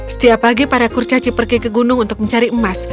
setiap pagi para kurcaci pergi ke gunung untuk mencari emas